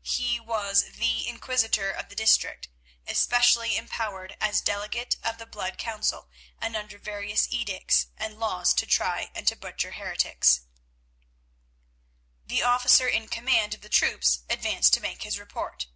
He was the Inquisitor of the district, especially empowered as delegate of the Blood Council and under various edicts and laws to try and to butcher heretics. The officer in command of the troops advanced to make his report.